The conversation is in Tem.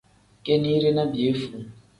Kinide ni piyefuu.